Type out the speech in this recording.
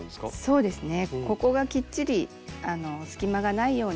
そうですね。